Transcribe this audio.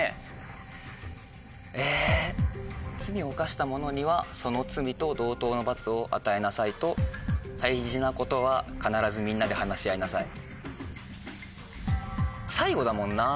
罪を犯した者にはその罪と同等の罰を与えなさいと大事なことは必ずみんなで話し合いなさい。